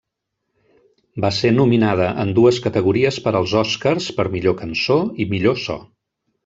Va ser nominada en dues categories per als Òscars per millor cançó i millor so.